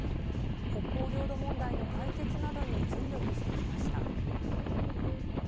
北方領土問題の解決などに尽力してきました。